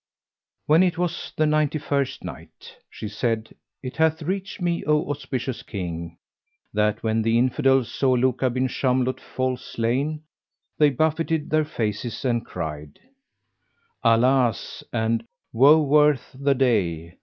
When it was the Ninety first Night, She said, It hath reached me, O auspicious King, that when the Infidels saw Luka bin Shamlut fall slain, they buffeted their faces and cried, "Alas!" and "Woe worth the day!"